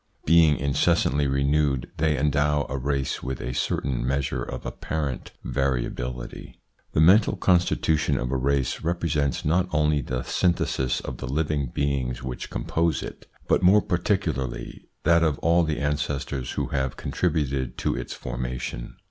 Being incessantly renewed they endow a race with a certain measure of apparent variability. The mental constitution of a race represents not only the synthesis of the living beings which compose it, but more particularly that of all the ancestors who have contributed to its formation.